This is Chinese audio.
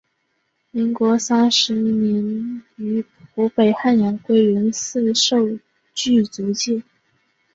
民国三十年于湖北汉阳归元寺受具足戒。